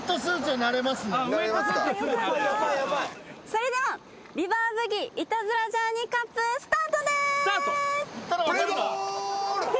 それではリバーブギ『イタズラ×ジャーニー』カップスタートです！